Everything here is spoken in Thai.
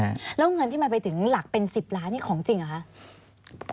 แล้วเงินที่มันไปถึงหลักเป็น๑๐ล้านนี่ของจริงเหรอคะ